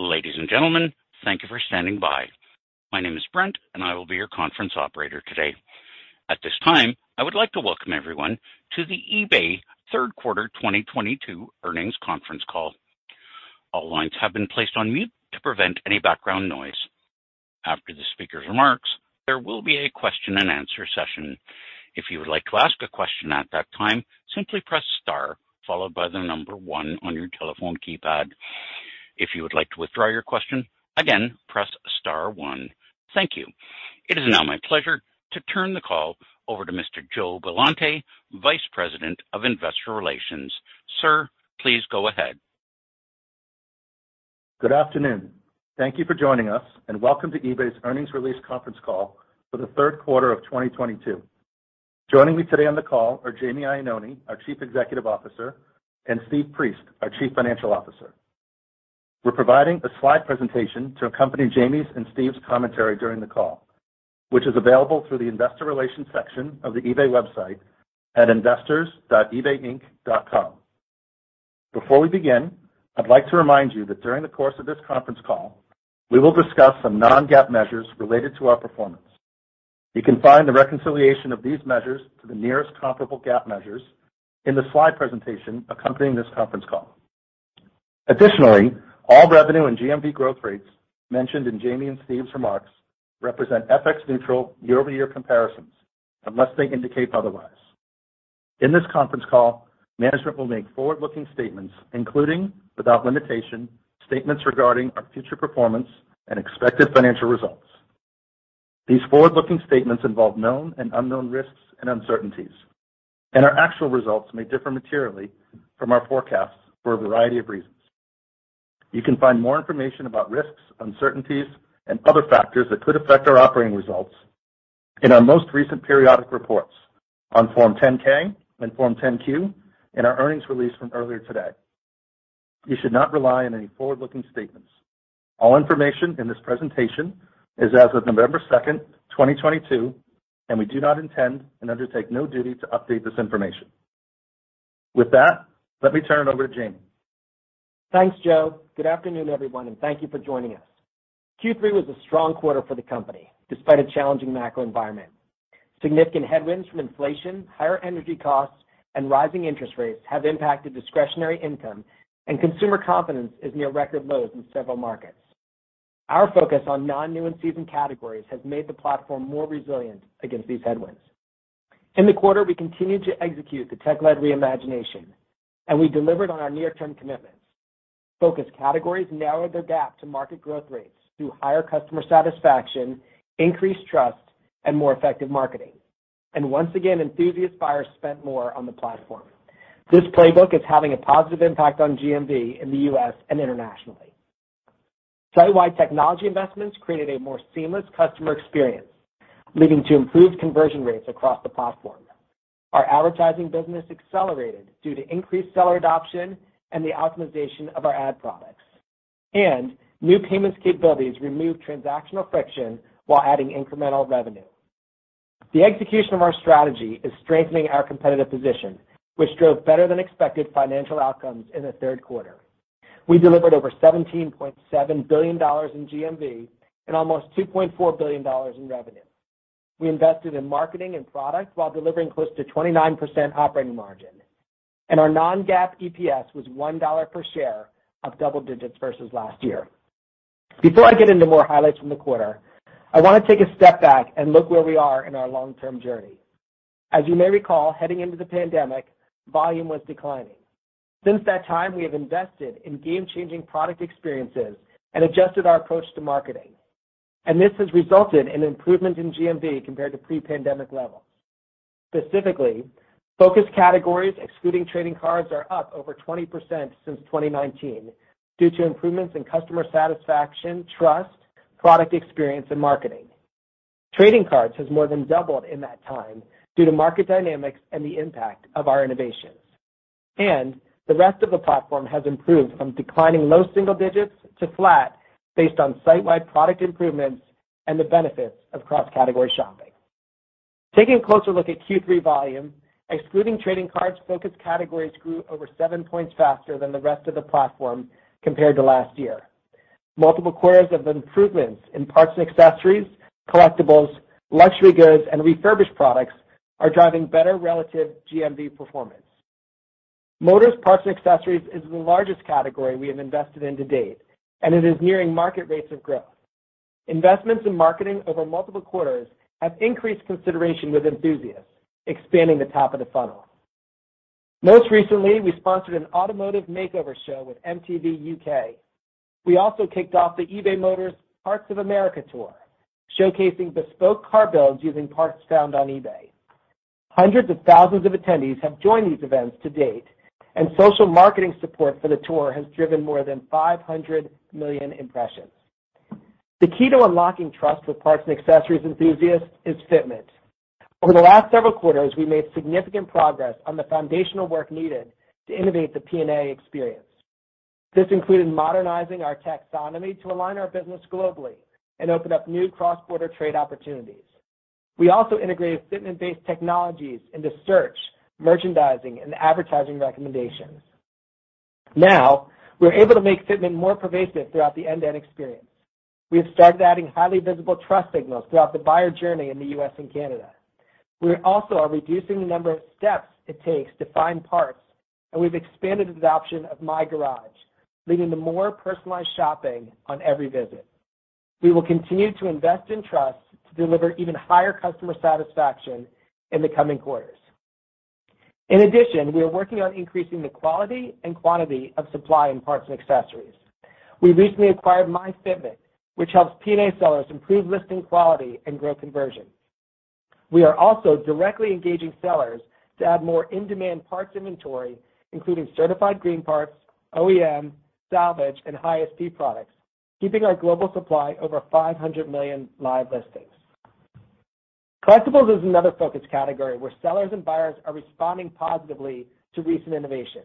Ladies and gentlemen, thank you for standing by. My name is Brent, and I will be your conference operator today. At this time, I would like to welcome everyone to the eBay third quarter 2022 earnings conference call. All lines have been placed on mute to prevent any background noise. After the speaker's remarks, there will be a question-and-answer session. If you would like to ask a question at that time, simply press star followed by the number one on your telephone keypad. If you would like to withdraw your question, again, press star one. Thank you. It is now my pleasure to turn the call over to Mr. Joe Billante, Vice President of Investor Relations. Sir, please go ahead. Good afternoon. Thank you for joining us, and welcome to eBay's earnings release conference call for the third quarter of 2022. Joining me today on the call are Jamie Iannone, our Chief Executive Officer, and Steve Priest, our Chief Financial Officer. We're providing a slide presentation to accompany Jamie's and Steve's commentary during the call, which is available through the investor relations section of the eBay website at investors.ebayinc.com. Before we begin, I'd like to remind you that during the course of this conference call, we will discuss some non-GAAP measures related to our performance. You can find the reconciliation of these measures to the nearest comparable GAAP measures in the slide presentation accompanying this conference call. Additionally, all revenue and GMV growth rates mentioned in Jamie and Steve's remarks represent FX neutral year-over-year comparisons, unless they indicate otherwise. In this conference call, management will make forward-looking statements, including, without limitation, statements regarding our future performance and expected financial results. These forward-looking statements involve known and unknown risks and uncertainties, and our actual results may differ materially from our forecasts for a variety of reasons. You can find more information about risks, uncertainties, and other factors that could affect our operating results in our most recent periodic reports on Form 10-K and Form 10-Q and our earnings release from earlier today. You should not rely on any forward-looking statements. All information in this presentation is as of November second, 2022, and we do not intend and undertake no duty to update this information. With that, let me turn it over to Jamie. Thanks, Joe. Good afternoon, everyone, and thank you for joining us. Q3 was a strong quarter for the company, despite a challenging macro environment. Significant headwinds from inflation, higher energy costs, and rising interest rates have impacted discretionary income, and consumer confidence is near record lows in several markets. Our focus on new and seasoned categories has made the platform more resilient against these headwinds. In the quarter, we continued to execute the tech-led reimagination, and we delivered on our near-term commitments. Focus categories narrowed their gap to market growth rates through higher customer satisfaction, increased trust, and more effective marketing. Once again, enthusiast buyers spent more on the platform. This playbook is having a positive impact on GMV in the US and internationally. Site-wide technology investments created a more seamless customer experience, leading to improved conversion rates across the platform. Our advertising business accelerated due to increased seller adoption and the optimization of our ad products. New payments capabilities removed transactional friction while adding incremental revenue. The execution of our strategy is strengthening our competitive position, which drove better than expected financial outcomes in the third quarter. We delivered over $17.7 billion in GMV and almost $2.4 billion in revenue. We invested in marketing and product while delivering close to 29% operating margin, and our non-GAAP EPS was $1 per share up double digits versus last year. Before I get into more highlights from the quarter, I wanna take a step back and look where we are in our long-term journey. As you may recall, heading into the pandemic, volume was declining. Since that time, we have invested in game-changing product experiences and adjusted our approach to marketing, and this has resulted in improvement in GMV compared to pre-pandemic levels. Specifically, focused categories excluding trading cards are up over 20% since 2019 due to improvements in customer satisfaction, trust, product experience, and marketing. Trading cards has more than doubled in that time due to market dynamics and the impact of our innovations. The rest of the platform has improved from declining low single digits to flat based on site-wide product improvements and the benefits of cross-category shopping. Taking a closer look at Q3 volume, excluding trading cards, focused categories grew over 7 points faster than the rest of the platform compared to last year. Multiple quarters of improvements in parts and accessories, collectibles, luxury goods, and refurbished products are driving better relative GMV performance. Motors Parts and Accessories is the largest category we have invested in to date, and it is nearing market rates of growth. Investments in marketing over multiple quarters have increased consideration with enthusiasts, expanding the top of the funnel. Most recently, we sponsored an automotive makeover show with MTV UK. We also kicked off the eBay Motors Parts of America Tour, showcasing bespoke car builds using parts found on eBay. Hundreds of thousands of attendees have joined these events to date, and social marketing support for the tour has driven more than 500 million impressions. The key to unlocking trust with parts and accessories enthusiasts is fitment. Over the last several quarters, we made significant progress on the foundational work needed to innovate the P&A experience. This included modernizing our taxonomy to align our business globally and open up new cross-border trade opportunities. We also integrated fitment-based technologies into search, merchandising, and advertising recommendations. Now, we're able to make fitment more pervasive throughout the end-to-end experience. We have started adding highly visible trust signals throughout the buyer journey in the U.S. and Canada. We also are reducing the number of steps it takes to find parts, and we've expanded the adoption of My Garage, leading to more personalized shopping on every visit. We will continue to invest in trust to deliver even higher customer satisfaction in the coming quarters. In addition, we are working on increasing the quality and quantity of supply in parts and accessories. We recently acquired myFitment, which helps P&A sellers improve listing quality and grow conversion. We are also directly engaging sellers to add more in-demand parts inventory, including certified green parts, OEM, salvage, and high-ASP products, keeping our global supply over 500 million live listings. Collectibles is another focus category where sellers and buyers are responding positively to recent innovation.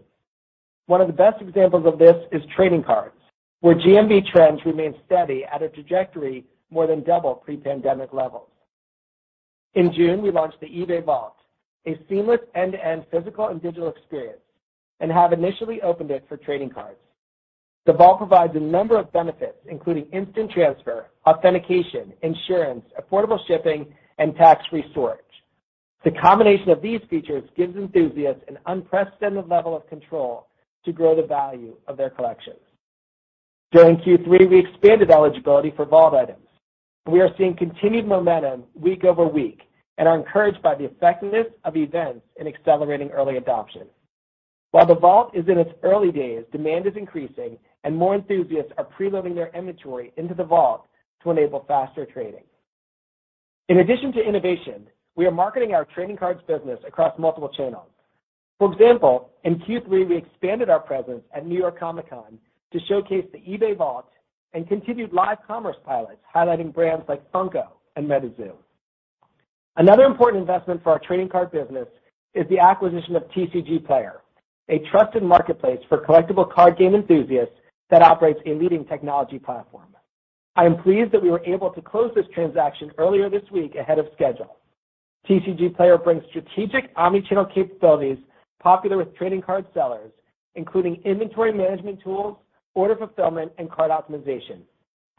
One of the best examples of this is trading cards, where GMV trends remain steady at a trajectory more than double pre-pandemic levels. In June, we launched the eBay Vault, a seamless end-to-end physical and digital experience, and have initially opened it for trading cards. The Vault provides a number of benefits, including instant transfer, authentication, insurance, affordable shipping, and tax-free storage. The combination of these features gives enthusiasts an unprecedented level of control to grow the value of their collections. During Q3, we expanded eligibility for Vault items. We are seeing continued momentum week over week and are encouraged by the effectiveness of events in accelerating early adoption. While the Vault is in its early days, demand is increasing and more enthusiasts are preloading their inventory into the Vault to enable faster trading. In addition to innovation, we are marketing our trading cards business across multiple channels. For example, in Q3, we expanded our presence at New York Comic Con to showcase the eBay Vault and continued live commerce pilots, highlighting brands like Funko and MetaZoo. Another important investment for our trading card business is the acquisition of TCGplayer, a trusted marketplace for collectible card game enthusiasts that operates a leading technology platform. I am pleased that we were able to close this transaction earlier this week ahead of schedule. TCGplayer brings strategic omni-channel capabilities popular with trading card sellers, including inventory management tools, order fulfillment, and card optimization.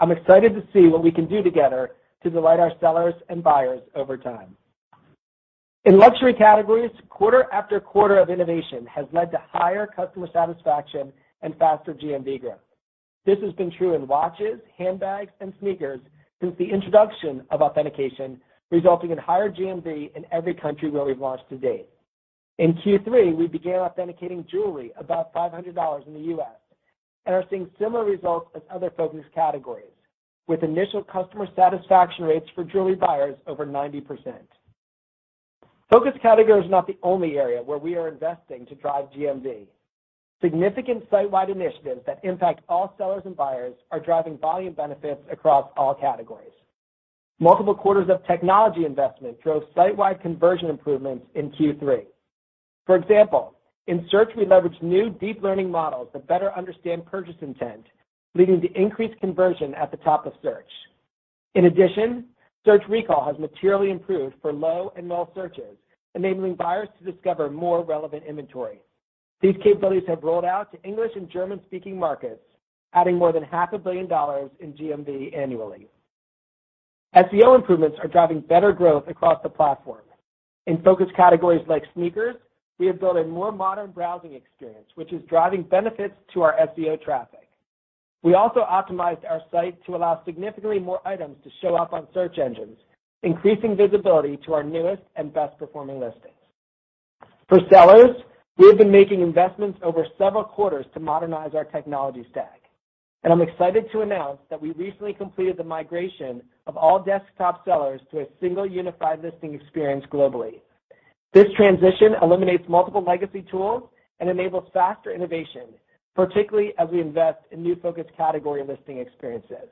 I'm excited to see what we can do together to delight our sellers and buyers over time. In luxury categories, quarter after quarter of innovation has led to higher customer satisfaction and faster GMV growth. This has been true in watches, handbags, and sneakers since the introduction of authentication, resulting in higher GMV in every country where we've launched to date. In Q3, we began authenticating jewelry above $500 in the U.S., and are seeing similar results as other focus categories, with initial customer satisfaction rates for jewelry buyers over 90%. Focus category is not the only area where we are investing to drive GMV. Significant site-wide initiatives that impact all sellers and buyers are driving volume benefits across all categories. Multiple quarters of technology investment drove site-wide conversion improvements in Q3. For example, in search, we leveraged new deep learning models to better understand purchase intent, leading to increased conversion at the top of search. In addition, search recall has materially improved for low and null searches, enabling buyers to discover more relevant inventory. These capabilities have rolled out to English and German-speaking markets, adding more than half a billion dollars in GMV annually. SEO improvements are driving better growth across the platform. In focus categories like sneakers, we have built a more modern browsing experience, which is driving benefits to our SEO traffic. We also optimized our site to allow significantly more items to show up on search engines, increasing visibility to our newest and best-performing listings. For sellers, we have been making investments over several quarters to modernize our technology stack, and I'm excited to announce that we recently completed the migration of all desktop sellers to a single unified listing experience globally. This transition eliminates multiple legacy tools and enables faster innovation, particularly as we invest in new focus category listing experiences.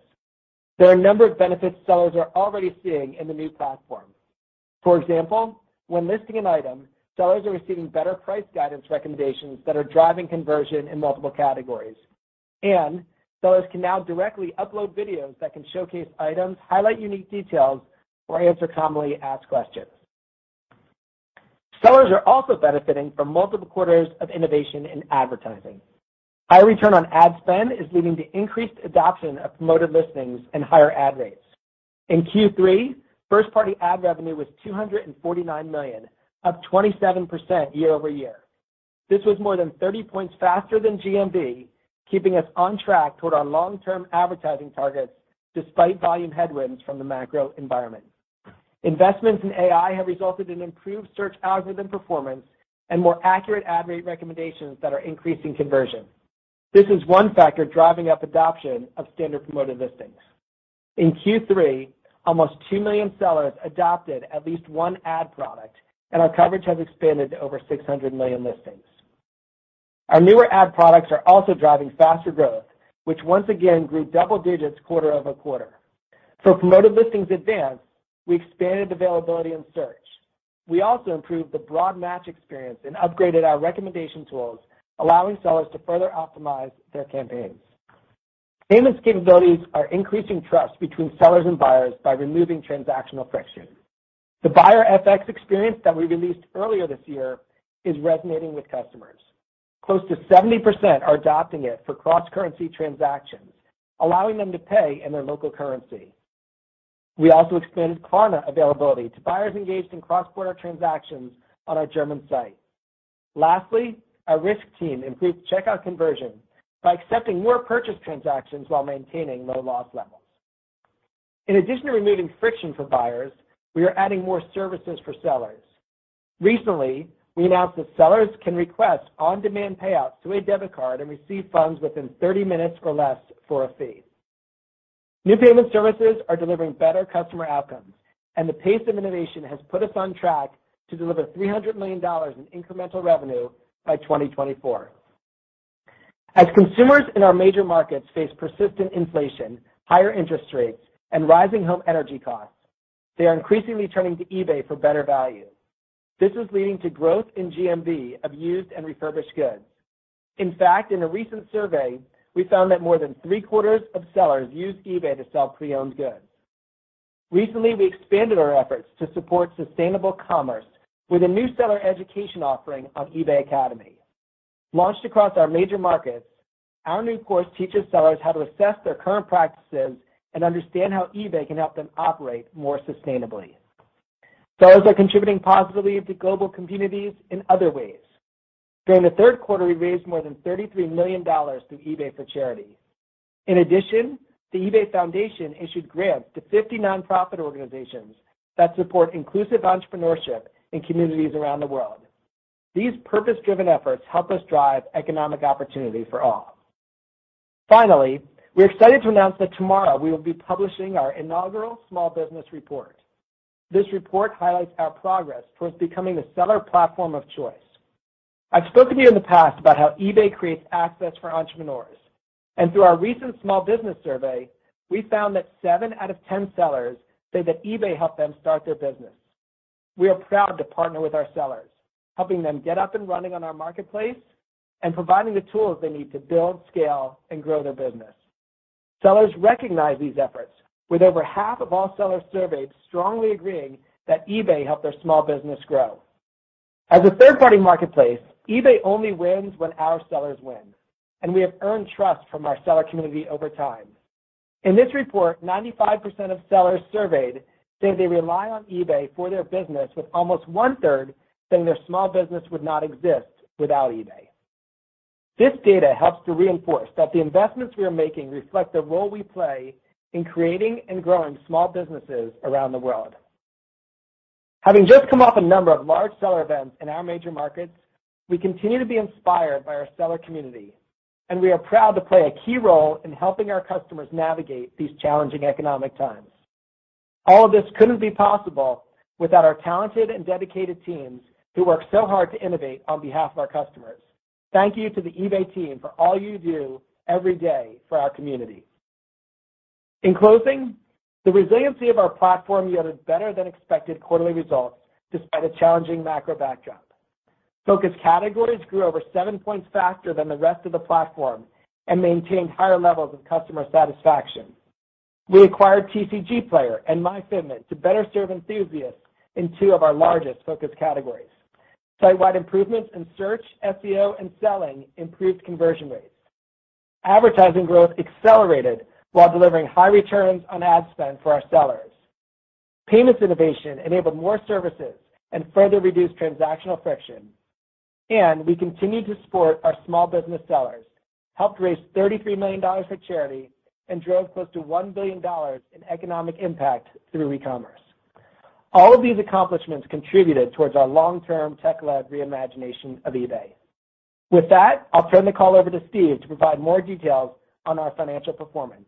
There are a number of benefits sellers are already seeing in the new platform. For example, when listing an item, sellers are receiving better price guidance recommendations that are driving conversion in multiple categories. Sellers can now directly upload videos that can showcase items, highlight unique details, or answer commonly asked questions. Sellers are also benefiting from multiple quarters of innovation in advertising. High return on ad spend is leading to increased adoption of Promoted Listings and higher ad rates. In Q3, first-party ad revenue was $249 million, up 27% year-over-year. This was more than 30 points faster than GMV, keeping us on track toward our long-term advertising targets despite volume headwinds from the macro environment. Investments in AI have resulted in improved search algorithm performance and more accurate ad rate recommendations that are increasing conversion. This is one factor driving up adoption of Promoted Listings Standard. In Q3, almost 2 million sellers adopted at least one ad product, and our coverage has expanded to over 600 million listings. Our newer ad products are also driving faster growth, which once again grew double digits quarter-over-quarter. For Promoted Listings Advanced, we expanded availability in search. We also improved the broad match experience and upgraded our recommendation tools, allowing sellers to further optimize their campaigns. Payments capabilities are increasing trust between sellers and buyers by removing transactional friction. The Buyer FX experience that we released earlier this year is resonating with customers. Close to 70% are adopting it for cross-currency transactions, allowing them to pay in their local currency. We also extended Klarna availability to buyers engaged in cross-border transactions on our German site. Lastly, our risk team improved checkout conversion by accepting more purchase transactions while maintaining low loss levels. In addition to removing friction for buyers, we are adding more services for sellers. Recently, we announced that sellers can request on-demand payouts to a debit card and receive funds within 30 minutes or less for a fee. New payment services are delivering better customer outcomes, and the pace of innovation has put us on track to deliver $300 million in incremental revenue by 2024. As consumers in our major markets face persistent inflation, higher interest rates, and rising home energy costs, they are increasingly turning to eBay for better value. This is leading to growth in GMV of used and refurbished goods. In fact, in a recent survey, we found that more than three-quarters of sellers use eBay to sell pre-owned goods. Recently, we expanded our efforts to support sustainable commerce with a new seller education offering on eBay Academy. Launched across our major markets, our new course teaches sellers how to assess their current practices and understand how eBay can help them operate more sustainably. Sellers are contributing positively to global communities in other ways. During the third quarter, we raised more than $33 million through eBay for Charity. In addition, the eBay Foundation issued grants to 50 nonprofit organizations that support inclusive entrepreneurship in communities around the world. These purpose-driven efforts help us drive economic opportunity for all. Finally, we're excited to announce that tomorrow we will be publishing our inaugural small business report. This report highlights our progress towards becoming the seller platform of choice. I've spoken to you in the past about how eBay creates access for entrepreneurs, and through our recent small business survey, we found that 7 out of 10 sellers say that eBay helped them start their business. We are proud to partner with our sellers, helping them get up and running on our marketplace and providing the tools they need to build, scale, and grow their business. Sellers recognize these efforts, with over half of all sellers surveyed strongly agreeing that eBay helped their small business grow. As a third-party marketplace, eBay only wins when our sellers win, and we have earned trust from our seller community over time. In this report, 95% of sellers surveyed say they rely on eBay for their business, with almost one-third saying their small business would not exist without eBay. This data helps to reinforce that the investments we are making reflect the role we play in creating and growing small businesses around the world. Having just come off a number of large seller events in our major markets, we continue to be inspired by our seller community, and we are proud to play a key role in helping our customers navigate these challenging economic times. All of this couldn't be possible without our talented and dedicated teams who work so hard to innovate on behalf of our customers. Thank you to the eBay team for all you do every day for our community. In closing, the resiliency of our platform yielded better than expected quarterly results despite a challenging macro backdrop. Focus categories grew over 7 points faster than the rest of the platform and maintained higher levels of customer satisfaction. We acquired TCGplayer and myFitment to better serve enthusiasts in two of our largest focus categories. Sitewide improvements in search, SEO, and selling improved conversion rates. Advertising growth accelerated while delivering high returns on ad spend for our sellers. Payments innovation enabled more services and further reduced transactional friction. We continued to support our small business sellers, helped raise $33 million for charity, and drove close to $1 billion in economic impact through e-commerce. All of these accomplishments contributed towards our long-term tech-led reimagination of eBay. With that, I'll turn the call over to Steve to provide more details on our financial performance.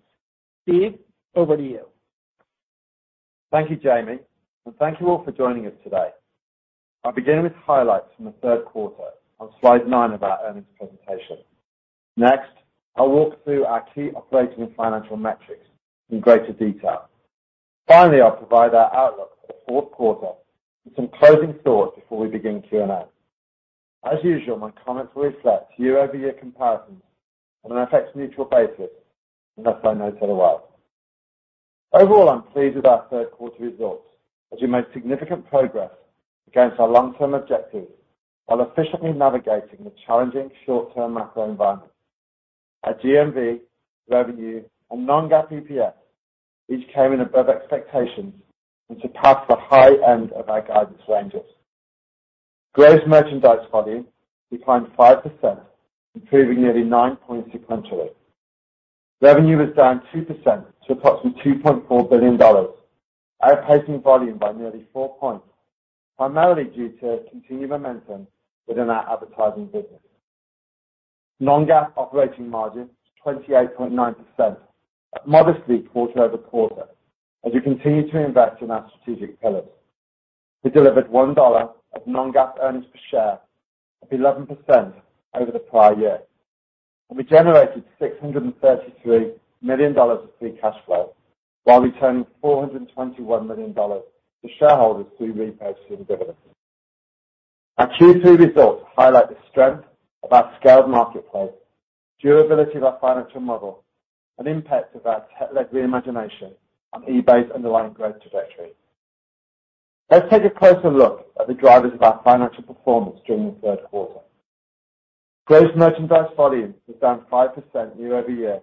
Steve, over to you. Thank you, Jamie, and thank you all for joining us today. I'll begin with highlights from the third quarter on slide 9 of our earnings presentation. Next, I'll walk through our key operating and financial metrics in greater detail. Finally, I'll provide our outlook for the fourth quarter with some closing thoughts before we begin Q&A. As usual, my comments will reflect year-over-year comparisons on an FX-neutral basis unless I note otherwise. Overall, I'm pleased with our third quarter results as we made significant progress against our long-term objectives while efficiently navigating the challenging short-term macro environment. Our GMV, revenue, and non-GAAP EPS each came in above expectations and surpassed the high end of our guidance ranges. Gross merchandise volume declined 5%, improving nearly 9 points sequentially. Revenue was down 2% to approximately $2.4 billion, outpacing volume by nearly 4 points, primarily due to continued momentum within our advertising business. non-GAAP operating margin was 28.9%, up modestly quarter-over-quarter, as we continue to invest in our strategic pillars. We delivered $1 of non-GAAP earnings per share of 11% over the prior year. We generated $633 million of free cash flow while returning $421 million to shareholders through repurchase and dividends. Our Q3 results highlight the strength of our scaled marketplace, durability of our financial model, and impact of our tech-led reimagination on eBay's underlying growth trajectory. Let's take a closer look at the drivers of our financial performance during the third quarter. Gross merchandise volume was down 5% year-over-year,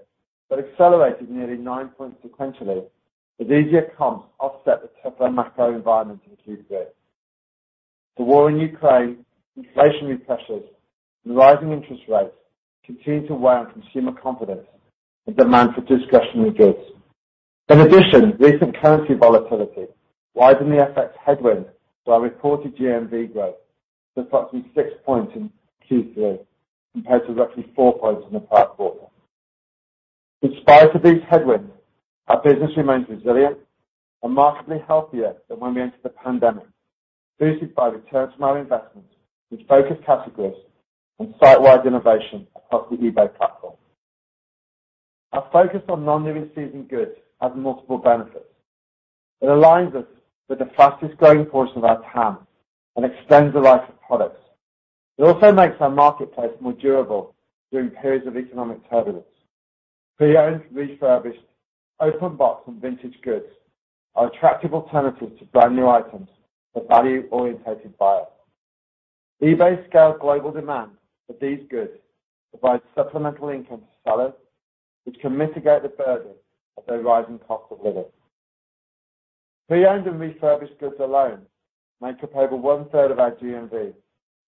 but accelerated nearly 9 points sequentially as easier comps offset the tougher macro environment in Q3. The war in Ukraine, inflationary pressures, and rising interest rates continue to weigh on consumer confidence and demand for discretionary goods. In addition, recent currency volatility widened the FX headwind to our reported GMV growth to approximately 6 points in Q3 compared to roughly 4 points in the third quarter. In spite of these headwinds, our business remains resilient and markedly healthier than when we entered the pandemic, boosted by returns on our investments in focused categories and site-wide innovation across the eBay platform. Our focus on non-seasonal goods has multiple benefits. It aligns us with the fastest-growing force of our TAM and extends the life of products. It also makes our marketplace more durable during periods of economic turbulence. Pre-owned, refurbished, open box, and vintage goods are attractive alternatives to brand-new items for value-oriented buyers. eBay's scaled global demand for these goods provides supplemental income to sellers, which can mitigate the burden of their rising cost of living. Pre-owned and refurbished goods alone make up over 1/3 of our GMV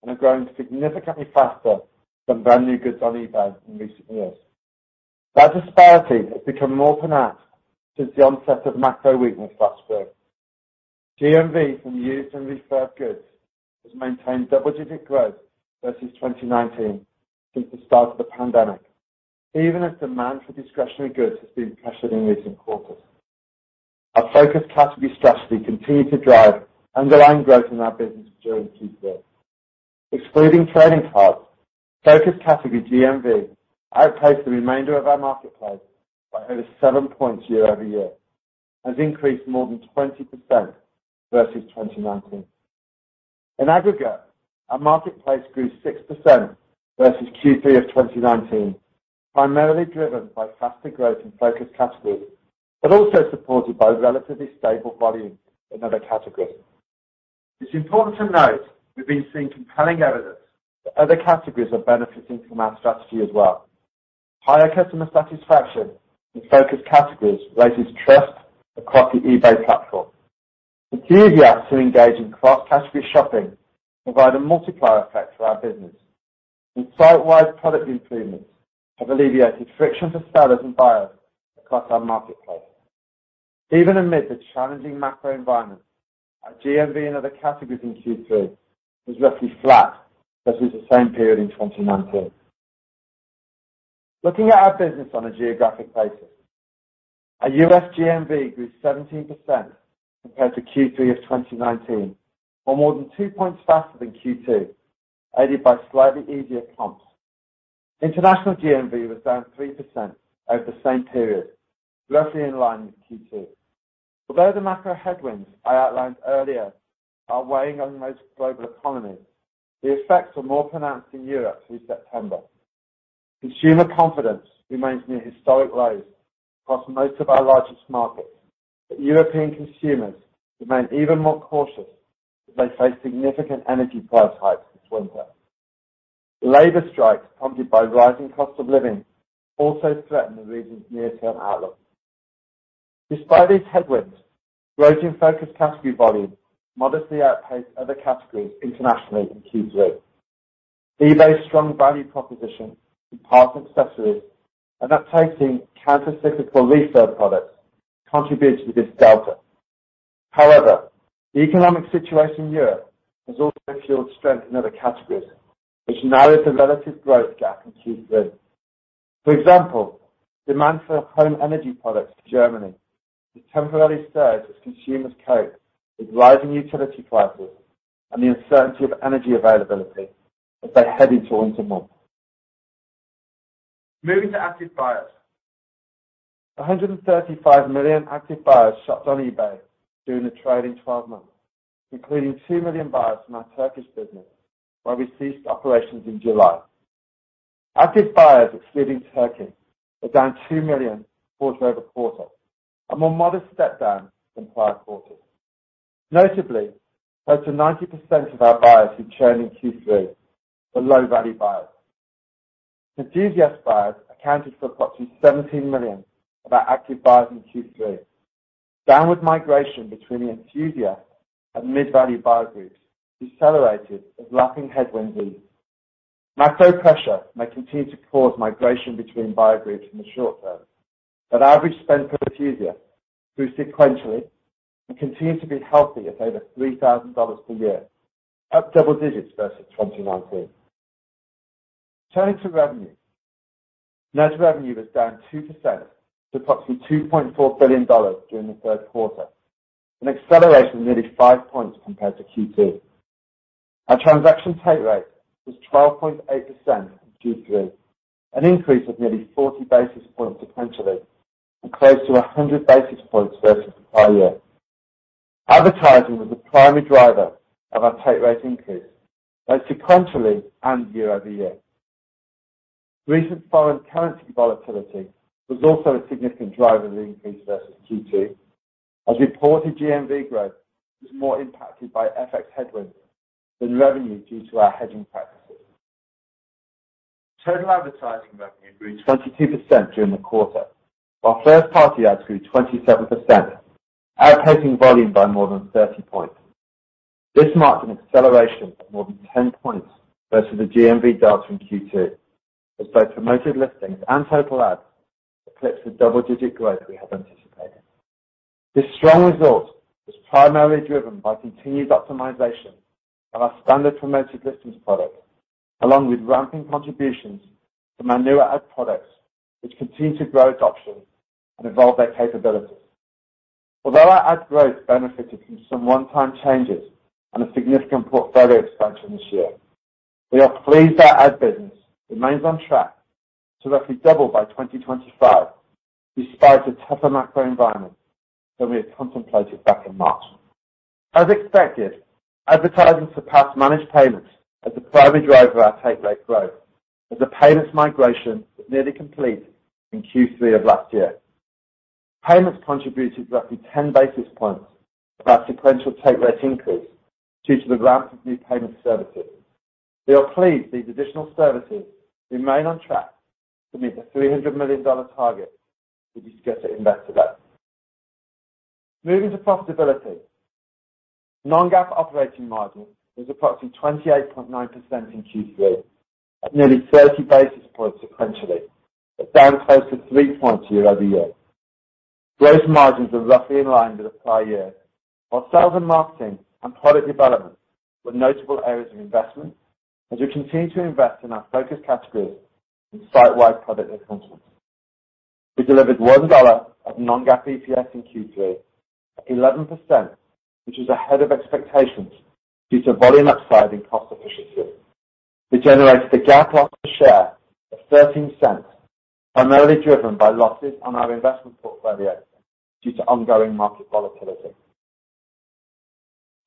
and are growing significantly faster than brand-new goods on eBay in recent years. That disparity has become more pronounced since the onset of macro weakness last spring. GMV from used and refurb goods has maintained double-digit growth versus 2019 since the start of the pandemic, even as demand for discretionary goods has been pressured in recent quarters. Our focused category strategy continued to drive underlying growth in our business during Q3. Excluding trading cards, focused category GMV outpaced the remainder of our marketplace by over 7 points year-over-year and has increased more than 20% versus 2019. In aggregate, our marketplace grew 6% versus Q3 of 2019, primarily driven by faster growth in focused categories but also supported by relatively stable volume in other categories. It's important to note we've been seeing compelling evidence that other categories are benefiting from our strategy as well. Higher customer satisfaction in focused categories raises trust across the eBay platform. Enthusiasts who engage in cross-category shopping provide a multiplier effect for our business. Site-wide product improvements have alleviated friction for sellers and buyers across our marketplace. Even amid the challenging macro environment, our GMV in other categories in Q3 was roughly flat versus the same period in 2019. Looking at our business on a geographic basis, our U.S. GMV grew 17% compared to Q3 of 2019 on more than 2 points faster than Q2, aided by slightly easier comps. International GMV was down 3% over the same period, roughly in line with Q2. Although the macro headwinds I outlined earlier are weighing on most global economies, the effects were more pronounced in Europe through September. Consumer confidence remains near historic lows across most of our largest markets. European consumers remain even more cautious as they face significant energy price hikes this winter. Labor strikes prompted by rising cost of living also threaten the region's near-term outlook. Despite these headwinds, growth in focused category volumes modestly outpaced other categories internationally in Q3. eBay's strong value proposition in parts and accessories and appetizing count-to-six for refurb products contributes to this delta. However, the economic situation in Europe has also fueled strength in other categories, which narrowed the relative growth gap in Q3. For example, demand for home energy products in Germany has temporarily surged as consumers cope with rising utility prices and the uncertainty of energy availability as they head into winter months. Moving to active buyers. 135 million active buyers shopped on eBay during the trailing twelve months, including 2 million buyers from our Turkish business, where we ceased operations in July. Active buyers excluding Turkey were down 2 million quarter over quarter, a more modest step down than prior quarters. Notably, close to 90% of our buyers who churned in Q3 were low-value buyers. Enthusiast buyers accounted for approximately 17 million of our active buyers in Q3. Downward migration between the enthusiast and mid-value buyer groups decelerated as lagging headwinds eased. Macro pressure may continue to cause migration between buyer groups in the short term, but average spend per enthusiast grew sequentially and continues to be healthy at over $3,000 per year, up double digits versus 2019. Turning to revenue. Net revenue was down 2% to approximately $2.4 billion during the third quarter, an acceleration of nearly 5 points compared to Q2. Our transaction take rate was 12.8% in Q3, an increase of nearly 40 basis points sequentially. Close to 100 basis points versus prior year. Advertising was the primary driver of our take rate increase, both sequentially and year-over-year. Recent foreign currency volatility was also a significant driver of the increase versus Q2, as reported GMV growth was more impacted by FX headwinds than revenue due to our hedging practices. Total advertising revenue grew 22% during the quarter, while first-party ads grew 27%, outpacing volume by more than 30 points. This marked an acceleration of more than 10 points versus the GMV delta in Q2, as both Promoted Listings and total ads eclipsed the double-digit growth we had anticipated. This strong result was primarily driven by continued optimization of our Promoted Listings Standard product, along with ramping contributions from our newer ad products, which continue to grow adoption and evolve their capabilities. Although our ad growth benefited from some one-time changes and a significant portfolio expansion this year, we are pleased our ad business remains on track to roughly double by 2025, despite the tougher macro environment that we had contemplated back in March. As expected, advertising surpassed managed payments as the primary driver of our take rate growth, as the payments migration was nearly complete in Q3 of last year. Payments contributed roughly 10 basis points to our sequential take rate increase due to the ramp of new payment services. We are pleased these additional services remain on track to meet the $300 million target we discussed at Investor Day. Moving to profitability. non-GAAP operating margin was approximately 28.9% in Q3, up nearly 30 basis points sequentially, but down close to 3 points year-over-year. Gross margins are roughly in line with the prior year, while sales and marketing and product development were notable areas of investment as we continue to invest in our focus categories and site-wide product enhancements. We delivered $1 of non-GAAP EPS in Q3, up 11%, which was ahead of expectations due to volume upside and cost efficiency. We generated a GAAP loss per share of $0.13, primarily driven by losses on our investment portfolio due to ongoing market volatility.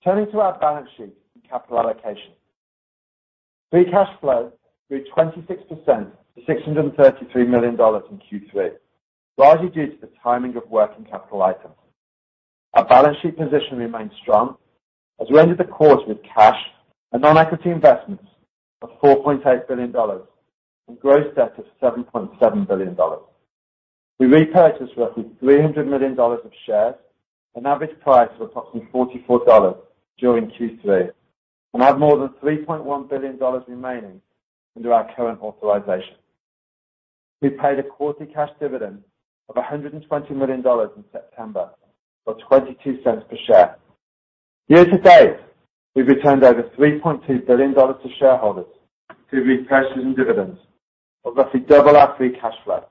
Turning to our balance sheet and capital allocation. Free cash flow grew 26% to $633 million in Q3, largely due to the timing of working capital items. Our balance sheet position remains strong as we ended the quarter with cash and non-equity investments of $4.8 billion and gross debt of $7.7 billion. We repurchased roughly $300 million of shares, an average price of approximately $44 during Q3, and have more than $3.1 billion remaining under our current authorization. We paid a quarterly cash dividend of $120 million in September, or 22 cents per share. Year to date, we've returned over $3.2 billion to shareholders through repurchases and dividends of roughly double our free cash flow.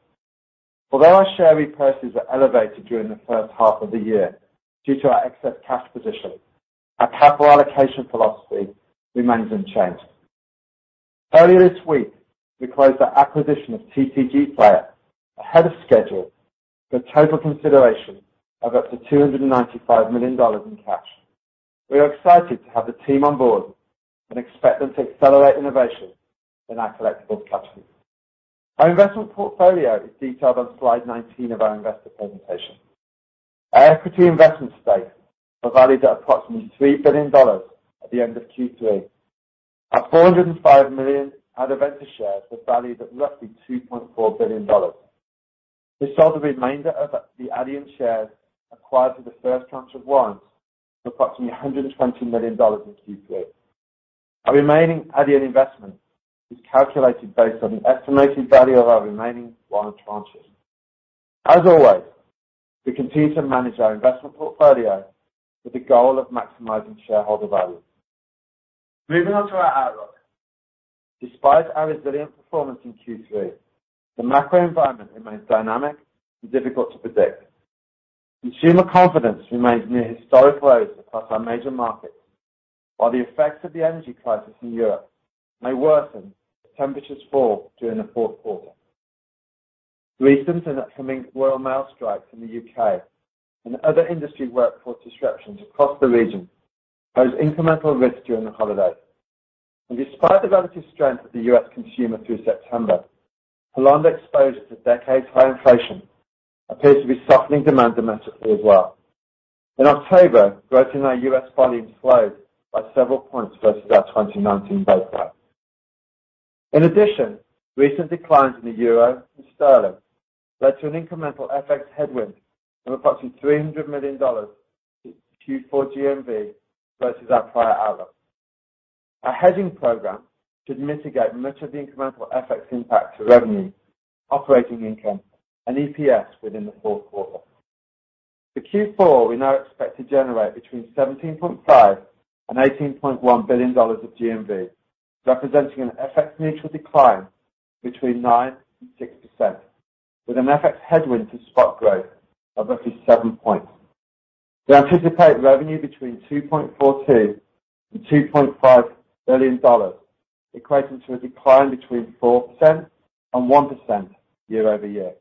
Although our share repurchases were elevated during the first half of the year due to our excess cash position, our capital allocation philosophy remains unchanged. Earlier this week, we closed our acquisition of TCGplayer ahead of schedule for a total consideration of up to $295 million in cash. We are excited to have the team on board and expect them to accelerate innovation in our collectibles category. Our investment portfolio is detailed on slide 19 of our investor presentation. Our equity investment stakes are valued at approximately $3 billion at the end of Q3. Our 405 million Adevinta shares were valued at roughly $2.4 billion. We sold the remainder of the Adevinta shares acquired through the first tranche of warrants for approximately $120 million in Q3. Our remaining Adevinta investment is calculated based on the estimated value of our remaining warrant tranches. As always, we continue to manage our investment portfolio with the goal of maximizing shareholder value. Moving on to our outlook. Despite our resilient performance in Q3, the macro environment remains dynamic and difficult to predict. Consumer confidence remains near historic lows across our major markets, while the effects of the energy crisis in Europe may worsen as temperatures fall during the fourth quarter. Recent and upcoming Royal Mail strikes in the UK and other industry workforce disruptions across the region pose incremental risk during the holidays. Despite the relative strength of the U.S. consumer through September, prolonged exposure to decades-high inflation appears to be softening demand domestically as well. In October, growth in our U.S. volume slowed by several points versus our 2019 baseline. In addition, recent declines in the euro and sterling led to an incremental FX headwind of approximately $300 million to Q4 GMV versus our prior outlook. Our hedging program should mitigate much of the incremental FX impact to revenue, operating income, and EPS within the fourth quarter. For Q4, we now expect to generate between $17.5 billion and $18.1 billion of GMV, representing an FX neutral decline between 9% and 6%, with an FX headwind to spot growth of roughly 7 points. We anticipate revenue between $2.42 billion and $2.5 billion, equating to a decline between 4% and 1% year-over-year.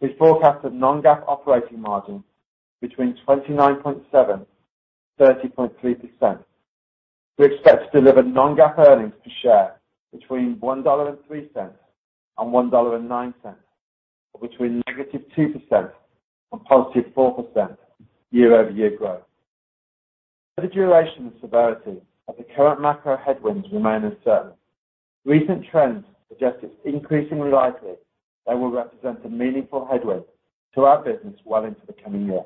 We forecast a non-GAAP operating margin between 29.7% and 30.3%. We expect to deliver non-GAAP earnings per share between $1.03 and $1.09, or between -2% and +4% year-over-year growth. The duration and severity of the current macro headwinds remain uncertain. Recent trends suggest it's increasingly likely they will represent a meaningful headwind to our business well into the coming year.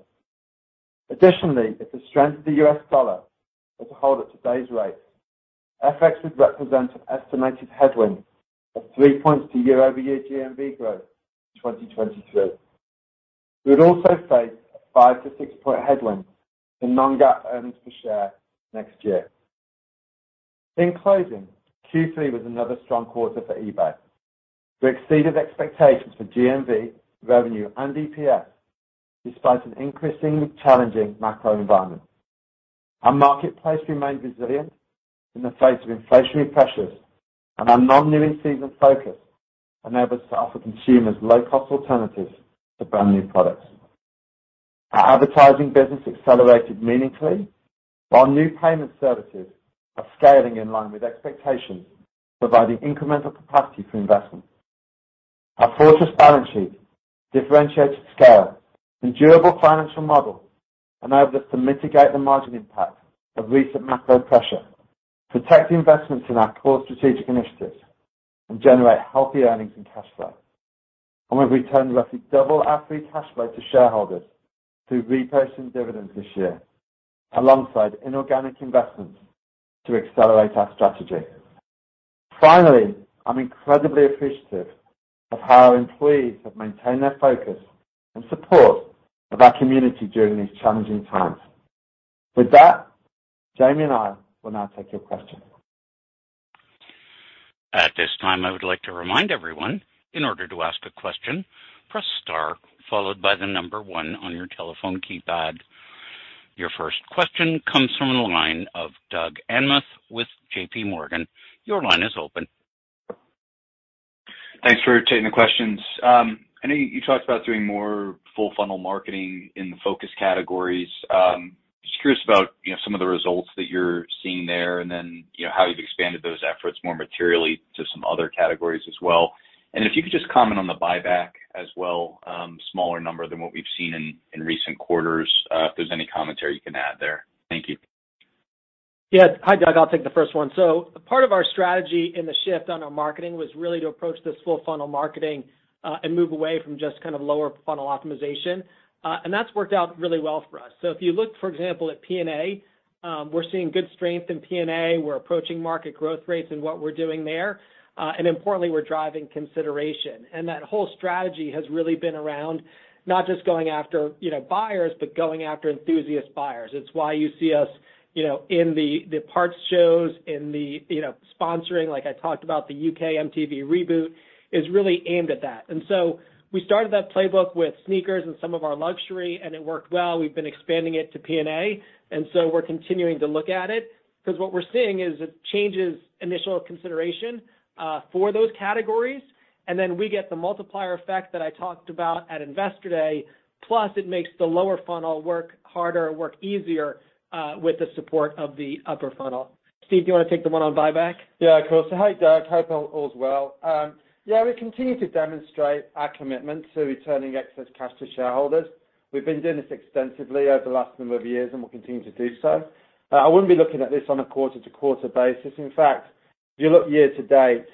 Additionally, if the strength of the U.S. dollar was to hold at today's rate, FX would represent an estimated headwind of 3 points to year-over-year GMV growth in 2023. We would also face a 5- to 6-point headwind in non-GAAP earnings per share next year. In closing, Q3 was another strong quarter for eBay. We exceeded expectations for GMV, revenue, and EPS despite an increasingly challenging macro environment. Our marketplace remained resilient in the face of inflationary pressures, and our non-new in-season focus enabled us to offer consumers low-cost alternatives to brand-new products. Our advertising business accelerated meaningfully, while new payment services are scaling in line with expectations, providing incremental capacity for investment. Our fortress balance sheet, differentiated scale, and durable financial model enable us to mitigate the margin impact of recent macro pressure, protect investments in our core strategic initiatives, and generate healthy earnings and cash flow. We've returned roughly double our free cash flow to shareholders through repurchase and dividends this year, alongside inorganic investments to accelerate our strategy. Finally, I'm incredibly appreciative of how our employees have maintained their focus and support of our community during these challenging times. With that, Jamie and I will now take your questions. At this time, I would like to remind everyone, in order to ask a question, press star followed by the number one on your telephone keypad. Your first question comes from the line of Doug Anmuth with J.P. Morgan. Your line is open. Thanks for taking the questions. I know you talked about doing more full funnel marketing in the focus categories. Just curious about, you know, some of the results that you're seeing there and then, you know, how you've expanded those efforts more materially to some other categories as well. If you could just comment on the buyback as well, smaller number than what we've seen in recent quarters, if there's any commentary you can add there. Thank you. Yeah. Hi, Doug. I'll take the first one. Part of our strategy in the shift on our marketing was really to approach this full funnel marketing, and move away from just kind of lower funnel optimization. That's worked out really well for us. If you look, for example, at P&A, we're seeing good strength in P&A. We're approaching market growth rates in what we're doing there. Importantly, we're driving consideration. That whole strategy has really been around not just going after, you know, buyers, but going after enthusiast buyers. It's why you see us, you know, in the parts shows, you know, sponsoring, like I talked about, the MTV UK reboot is really aimed at that. We started that playbook with sneakers and some of our luxury, and it worked well. We've been expanding it to P&A, and so we're continuing to look at it because what we're seeing is it changes initial consideration for those categories. We get the multiplier effect that I talked about at Investor Day, plus it makes the lower funnel work harder, work easier, with the support of the upper funnel. Steve, do you wanna take the one on buyback? Yeah, of course. Hi, Doug. Hope all's well. Yeah, we continue to demonstrate our commitment to returning excess cash to shareholders. We've been doing this extensively over the last number of years, and we'll continue to do so. I wouldn't be looking at this on a quarter-to-quarter basis. In fact, if you look year to date,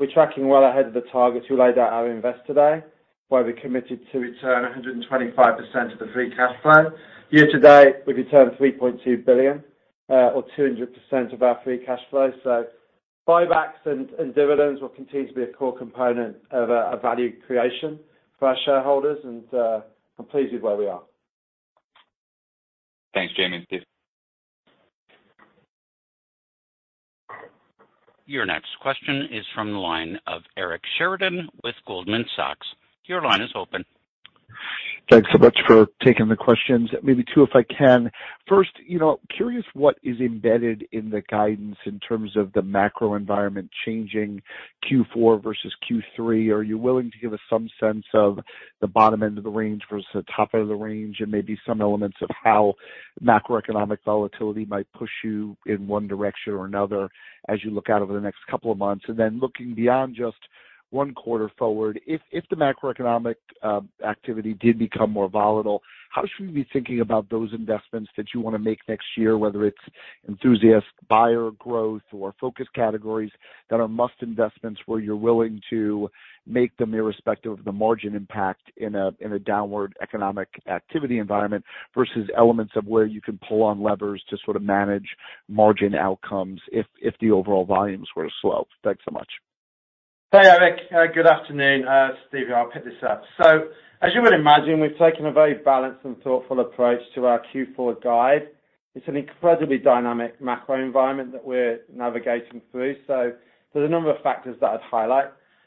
we're tracking well ahead of the targets we laid out at our Investor Day, where we committed to return 125% of the free cash flow. Year to date, we've returned $3.2 billion, or 200% of our free cash flow. Buybacks and dividends will continue to be a core component of our value creation for our shareholders and completed where we are. Thanks, Jamie and Steve. Your next question is from the line of Eric Sheridan with Goldman Sachs. Your line is open. Thanks so much for taking the questions. Maybe two, if I can. First, you know, curious what is embedded in the guidance in terms of the macro environment changing Q4 versus Q3. Are you willing to give us some sense of the bottom end of the range versus the top end of the range, and maybe some elements of how macroeconomic volatility might push you in one direction or another as you look out over the next couple of months? Looking beyond just one quarter forward, if the macroeconomic activity did become more volatile, how should we be thinking about those investments that you wanna make next year, whether it's enthusiast buyer growth or focus categories that are must investments where you're willing to make them irrespective of the margin impact in a downward economic activity environment versus elements of where you can pull on levers to sort of manage margin outcomes if the overall volumes were to slow? Thanks so much. Hey, Eric. Good afternoon. Steve, here, I'll pick this up. As you would imagine, we've taken a very balanced and thoughtful approach to our Q4 guide. It's an incredibly dynamic macro environment that we're navigating through. There's a number of factors that I'd highlight.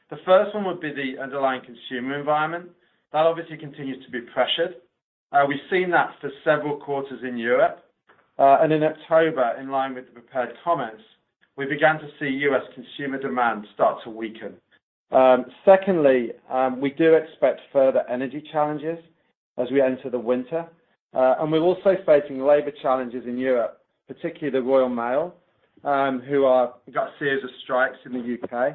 The first one would be the underlying consumer environment. That obviously continues to be pressured. We've seen that for several quarters in Europe. In October, in line with the prepared comments, we began to see U.S. consumer demand start to weaken. Secondly, we do expect further energy challenges as we enter the winter, and we're also facing labor challenges in Europe, particularly the Royal Mail got a series of strikes in the U.K.